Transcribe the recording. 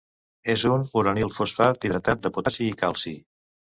És un uranil-fosfat hidratat de potassi i calci.